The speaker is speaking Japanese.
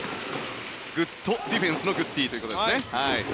グッドディフェンスのグッディーということですね。